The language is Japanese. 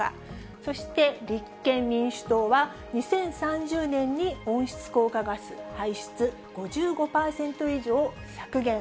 そして立憲民主党は、２０３０年に温室効果ガス排出５５％以上削減。